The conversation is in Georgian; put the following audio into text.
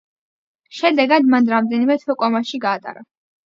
შედეგად, მან რამდენიმე თვე კომაში გაატარა.